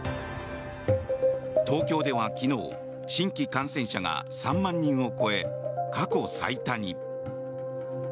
東京では昨日新規感染者が３万人を超え過去最多に。